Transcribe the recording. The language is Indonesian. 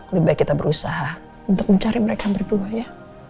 lebih baik kita berusaha untuk mencari mereka berdua ya